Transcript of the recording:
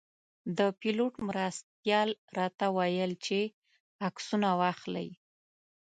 د پیلوټ مرستیال راته ویل چې عکسونه واخلئ.